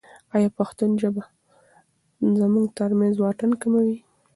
ایا پښتو ژبه زموږ ترمنځ واټن کموي؟